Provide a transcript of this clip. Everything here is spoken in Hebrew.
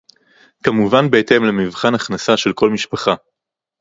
כמובן בהתאם למבחן הכנסה של כל משפחה